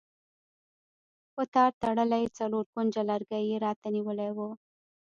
په تار تړلی څلور کونجه لرګی یې راته نیولی و.